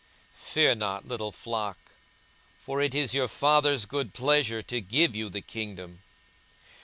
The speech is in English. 42:012:032 Fear not, little flock; for it is your Father's good pleasure to give you the kingdom.